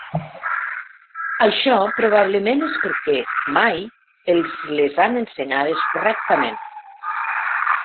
Això probablement és perquè mai els les han ensenyades correctament.